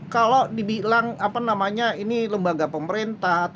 kalau dibilang apa namanya ini lembaga pemerintah